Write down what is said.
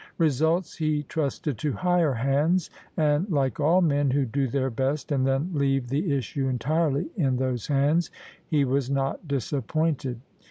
Results he trusted to higher hands: and — ^like all men who do their best, and then leave the issue entirely in those hands — he was not disappointed.